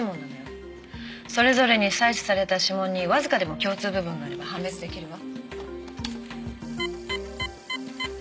それぞれに採取された指紋にわずかでも共通部分があれば判別出来るわ。